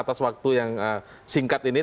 atas waktu yang singkat ini